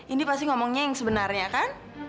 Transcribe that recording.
ini pasti ngomongnya yang sebenarnya kan